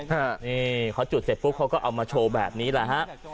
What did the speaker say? ฮะนี่เขาจุดเสร็จปุ๊บเขาก็เอามาโชว์แบบนี้แหละฮะ